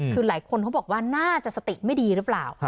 คือหลายคนเขาบอกว่าน่าจะสติไม่ดีหรือเปล่า